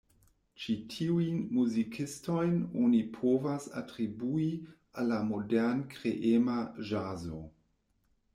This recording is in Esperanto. Ĉi tiujn muzikistojn oni povas atribui al la modern-kreema ĵazo.